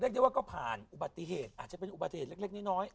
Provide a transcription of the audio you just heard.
ได้ว่าก็ผ่านอุบัติเหตุอาจจะเป็นอุบัติเหตุเล็กน้อย